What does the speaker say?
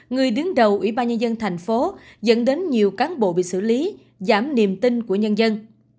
người đứng đầu ủy ban nhân dân thành phố dẫn đến nhiều cán bộ bị xử lý giảm niềm tin của nhân dân